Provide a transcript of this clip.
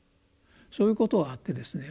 そういうことがあってですね